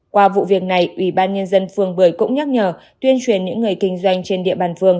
qua vụ việc này ubnd phường bưởi cũng nhắc nhở tuyên truyền những người kinh doanh trên địa bàn phường